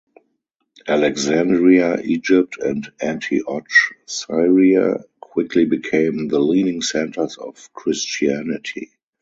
Alexandria, Egypt and Antioch, Syria quickly became the leading centers of Christianity.